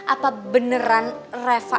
apa beneran reva